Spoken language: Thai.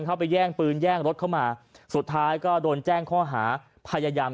ไปแย่งปืนแย่งรถเข้ามาสุดท้ายก็โดนแจ้งข้อหาพยายาม